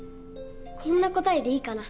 こんな答えでいいかな？